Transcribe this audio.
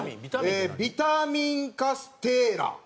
ビタミンカステーラ。